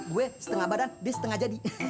gue setengah badan dia setengah jadi